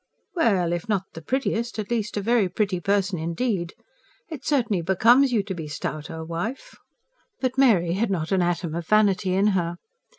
Well, if not the prettiest, at least a very pretty person indeed. It certainly becomes you to be stouter, wife." But Mary had not an atom of vanity in her.